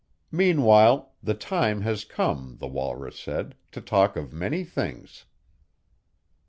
Meanwhile, 'The time has come,' the walrus said, 'to talk of many things.'"